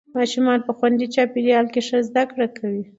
ماشومان په خوندي چاپېریال کې ښه زده کړه کوي